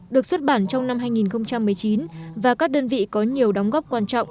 được xuất bản trong năm hai nghìn một mươi chín và các đơn vị có nhiều đóng góp quan trọng